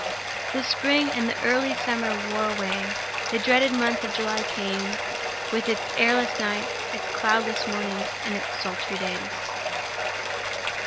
The spring and the early summer wore away. The dreaded month of July came, with its airless nights, its cloudless mornings, and its sultry days.